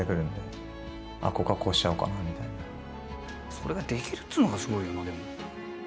それができるっつうのがすごいよなでも。